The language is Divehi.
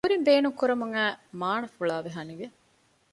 ކުރިން ބޭނުންކުރަމުން އައި މާނަ ފުޅާވެ ހަނިވެ